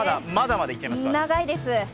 長いです。